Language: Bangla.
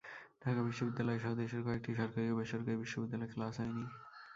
ঢাকা বিশ্ববিদ্যালয়সহ দেশের কয়েকটি সরকারি ও বেসরকারি বিশ্ববিদ্যালয়ে ক্লাস হয়নি।